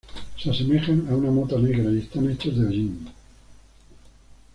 Se asemejan a una mota negra y están hechos de hollín.